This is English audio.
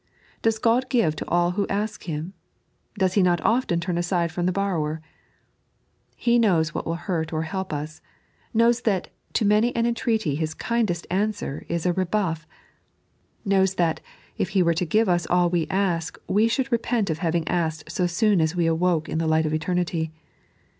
Does God give to all who ask Him % Does He not often torn aside from the borrower ? He knows what will hurt or help us ; knows that to many an entreaty His kindest answer is a rebuff ; knows that if He were to give us all we ask we should repent of having asked so soon as we awoke in the light of eternity.